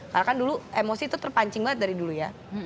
karena kan dulu emosi tuh terpancing banget dari dulu ya